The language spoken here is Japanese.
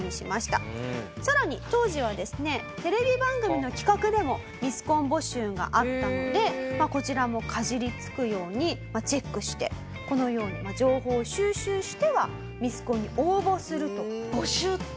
さらに当時はですねテレビ番組の企画でもミスコン募集があったのでこちらもかじりつくようにチェックしてこのように情報を収集してはミスコンに応募すると。